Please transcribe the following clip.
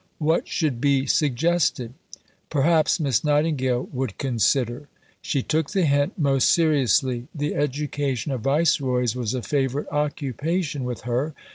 What should be suggested? Perhaps Miss Nightingale would consider? She took the hint most seriously: the education of Viceroys was a favourite occupation with her.